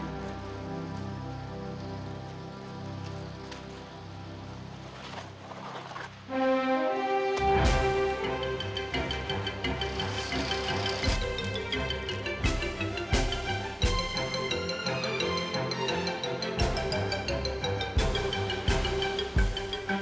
terima kasih yanss pemain kakinian